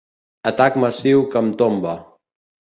Atac massiu que em tomba.